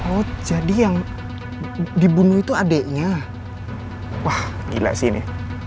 oh jadi yang dibunuh itu adiknya wah gila sih ini